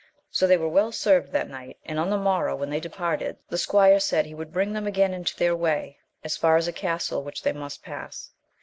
So they were well served that night, and on the morrow when they departed, the squire said he would bring them again into their way, as far as a castle which they must pass.